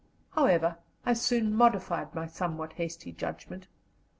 However, I soon modified my somewhat hasty judgment.